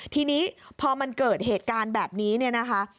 ทีนี้พอมันเกิดเหตุการณ์แบบนี้เนี่ยนะคะ